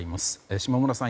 下村さん